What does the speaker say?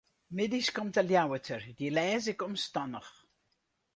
Middeis komt de Ljouwerter, dy lês ik omstannich.